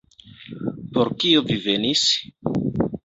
Por kio vi venis?